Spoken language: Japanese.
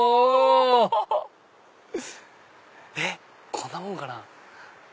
こんなもんかな。